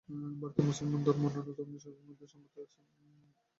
ভারতের মুসলমান ধর্ম অন্যান্য দেশের মুসলমান ধর্ম হইতে সম্পূর্ণ ভিন্ন জিনিষ।